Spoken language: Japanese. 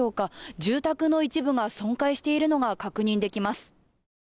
住宅の一部が損壊しているのが確認できます。